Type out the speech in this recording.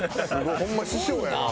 ホンマに師匠やな。